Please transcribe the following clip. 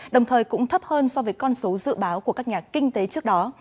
đồng thời cũng thấp hơn so với con số dự báo của các nhà kinh tế trước đó